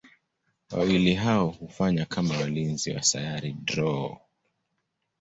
Wawili hao hufanya kama walinzi wa Sayari Drool.